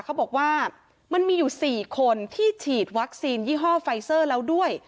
เขาบอกว่ามันมีอยู่๔คนที่ฉีดวัคซีนยี่ห้อไฟเซอร์แล้วด้วย